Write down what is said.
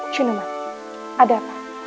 jangan lupa ada apa